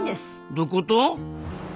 どういうこと？